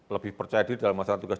lebih percaya diri dalam masalah tugas